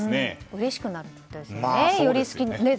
うれしくなったりするんですね。